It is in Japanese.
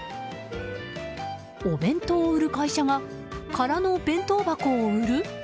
お弁当を売る会社が空の弁当箱を売る？